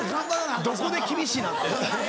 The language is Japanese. どこで厳しなってん。